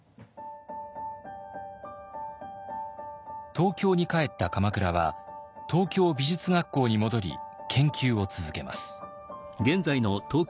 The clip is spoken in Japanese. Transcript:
東京に帰った鎌倉は東京美術学校に戻り研究を続けます。